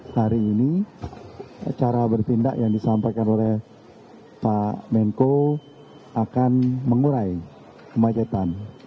hari ini cara bertindak yang disampaikan oleh pak menko akan mengurai kemacetan